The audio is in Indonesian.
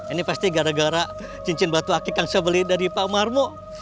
ini pasti gara gara cincin batu akik yang saya beli dari pak marmo